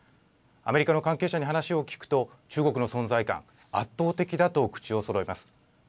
アメリカの関係者に話を聞くと中国の存在感圧倒的だと口をそろえます。